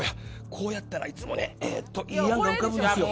こうやったらいつもねえっといい案が浮かぶんですよ。